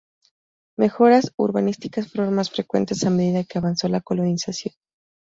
Mejoras urbanísticas fueron más frecuentes a medida que avanzó la colonización.